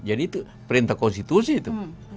jadi itu perintah konstitusi itu